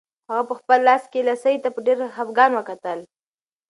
هغه په خپل لاس کې لسی ته په ډېر خپګان وکتل.